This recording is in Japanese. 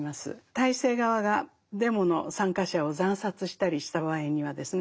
体制側がデモの参加者を惨殺したりした場合にはですね